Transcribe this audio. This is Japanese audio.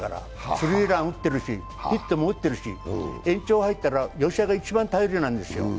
スリーランを打ってるし、ヒットも打ってるし、延長入ったら吉田が一番頼りなんですよ。